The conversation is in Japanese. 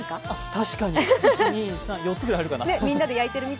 確かに、４つぐらいあるかな。